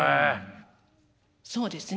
そうですね。